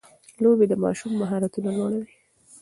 لوبې د ماشوم مهارتونه لوړوي.